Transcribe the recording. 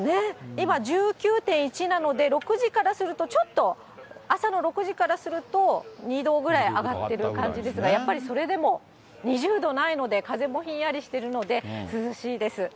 今、１９．１なので、６時からすると、ちょっと、朝の６時からすると２度ぐらい上がってる感じですが、やっぱりそれでも、２０度ないので、風もひんやりしてるので、涼しいです。